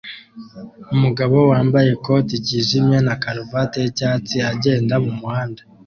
Umugabo wambaye ikote ryijimye na karuvati yicyatsi agenda mumuhanda